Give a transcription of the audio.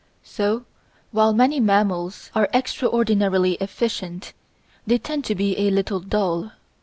So while many mammals are extraordinarily efficient, they tend to be a little dull.